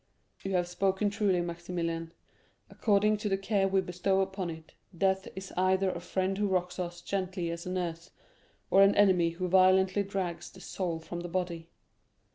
"You have spoken truly, Maximilian; according to the care we bestow upon it, death is either a friend who rocks us gently as a nurse, or an enemy who violently drags the soul from the body.